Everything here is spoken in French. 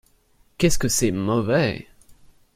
Qu’est-ce que c’est mauvais !